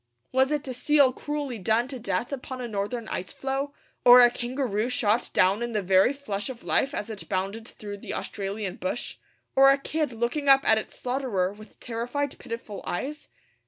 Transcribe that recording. Was it a seal cruelly done to death upon a northern icefloe, or a kangaroo shot down in the very flush of life as it bounded through the Australian bush, or a kid looking up at its slaughterer with terrified, pitiful eyes?